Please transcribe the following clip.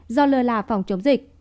do lơ là phòng chống dịch